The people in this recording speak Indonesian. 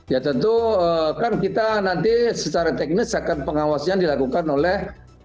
ya tentu kan kita nanti secara teknis akan pengawasan dilakukan oleh